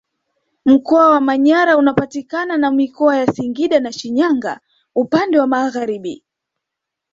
Mkoa wa Manyara unapakana na Mikoa ya Singida na Shinyanga upande wa magharibi